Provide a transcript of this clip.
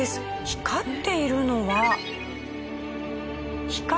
光っているのは。